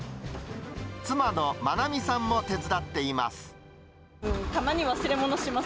妻の愛美さんも手伝っています。